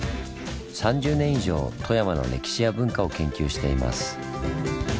３０年以上富山の歴史や文化を研究しています。